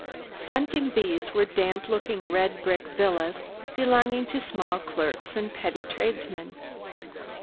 Fronting these were damp looking red brick villas, belonging to small clerks and petty tradesmen.